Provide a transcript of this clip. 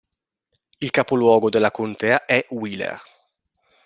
Il capoluogo di contea è Wheeler.